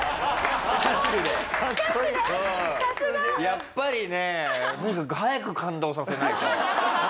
やっぱりねとにかく早く感動させないと。